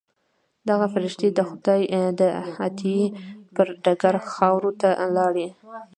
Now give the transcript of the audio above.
دغه فرښتې د خدای د عطیې پر ډګر خاورو ته لاړې.